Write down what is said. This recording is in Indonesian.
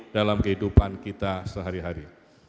dalam kehidupan kita sehari hari